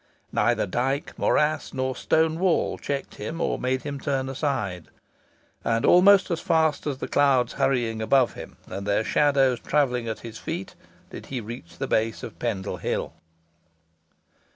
Neither dyke, morass, nor stone wall checked him, or made him turn aside; and almost as fast as the clouds hurrying above him, and their shadows travelling at his feet, did he reach the base of Pendle Hill.